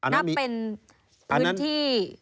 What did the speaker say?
นับเป็นพื้นที่